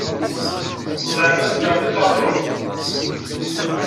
Zeɛma tzemremt ad taṛǧumt?